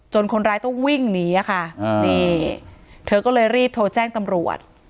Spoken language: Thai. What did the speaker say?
คนร้ายต้องวิ่งหนีอะค่ะนี่เธอก็เลยรีบโทรแจ้งตำรวจ